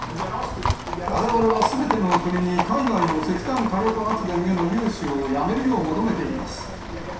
われわれはすべての国に海外の石炭火力発電への融資をやめるよう求めています。